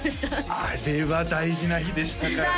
あれは大事な日でしたからね